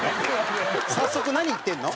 早速何言ってんの？